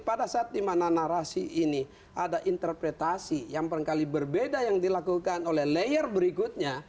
pada saat dimana narasi ini ada interpretasi yang barangkali berbeda yang dilakukan oleh layer berikutnya